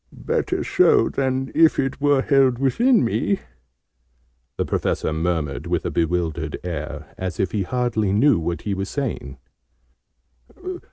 "Better so, than if it were held within me!" the Professor murmured with a bewildered air, as if he hardly knew what he was saying.